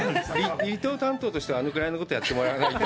離島担当としては、あれぐらいのことはやってもらわないと。